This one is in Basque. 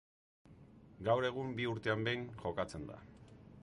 Gaur egun bi urtean behin jokatzen da.